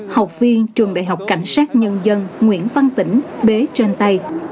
học viên trường đại học cảnh sát nhân dân nguyễn văn tỉnh bế trên tay